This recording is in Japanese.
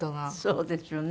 そうですよね。